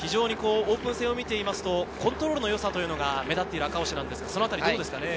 オープン戦を見てみますと、コントロールのよさというのが目立っている赤星ですが、そのあたりどうですか？